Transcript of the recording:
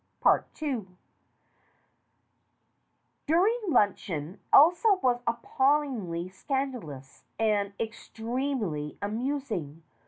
II DURING luncheon Elsa was appallingly scandalous and extremely amusing.